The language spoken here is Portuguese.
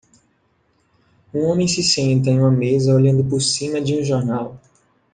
Um homem se senta em uma mesa olhando por cima de um jornal